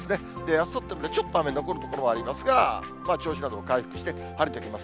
あさって、ちょっと雨残る所もありますが、銚子などは回復して晴れてきます。